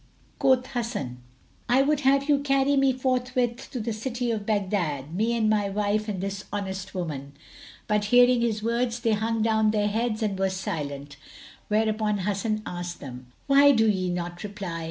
Quoth Hasan, "I would have you carry me forthwith to the city of Baghdad, me and my wife and this honest woman." But, hearing his words they hung down their heads and were silent, whereupon Hasan asked them, "Why do ye not reply?"